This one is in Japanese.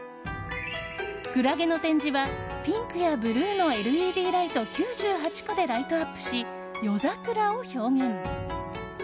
クラゲの展示はピンクやブルーのＬＥＤライト９８個でライトアップし、夜桜を表現。